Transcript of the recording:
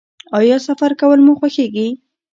ایا سفر کول مو خوښیږي؟